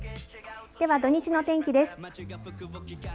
では土日の天気です。